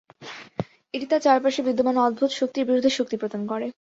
এটি তাদের চারপাশে বিদ্যমান অদ্ভুত শক্তির বিরুদ্ধে শক্তি প্রদান করে।